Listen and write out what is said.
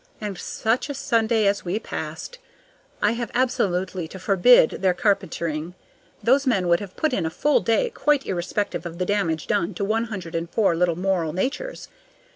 And such a Sunday as we passed! I had absolutely to forbid their carpentering. Those men would have put in a full day, quite irrespective of the damage done to one hundred and four little moral natures.